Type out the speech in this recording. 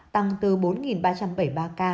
tăng từ bốn ba trăm bảy mươi ba ca